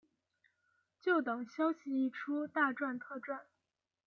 就等消息一出大赚特赚